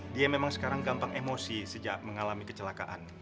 dia memang sekarang gampang emosi sejak mengalami kecelakaan